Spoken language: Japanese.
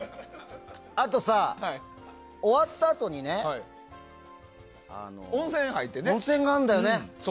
あとさ、終わったあとにね温泉があるんだよね。